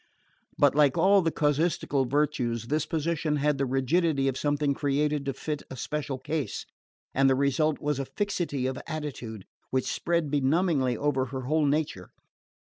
But, like all the casuistical virtues, this position had the rigidity of something created to fit a special case; and the result was a fixity of attitude, which spread benumbingly over her whole nature.